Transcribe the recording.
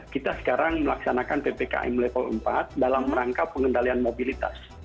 kita sekarang melaksanakan ppkm level empat dalam rangka pengendalian mobilitas